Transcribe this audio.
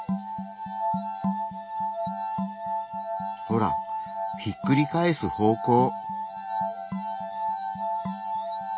ほらひっくり返す方向。